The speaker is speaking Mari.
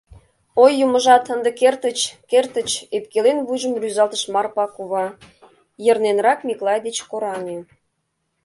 — Ой, юмыжат, ынде кертыч, кертыч, — ӧпкелен вуйжым рӱзалтыш Марпа кува, йырненрак Миклай деч кораҥе.